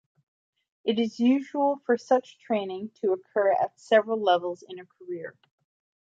It is usual for such training to occur at several levels in a career.